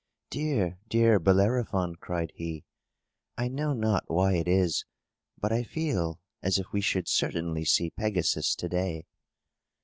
"Dear, dear Bellerophon," cried he, "I know not why it is, but I feel as if we should certainly see Pegasus to day!"